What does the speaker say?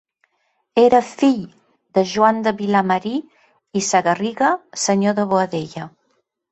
Era fill de Joan de Vilamarí i Sagarriga, senyor de Boadella.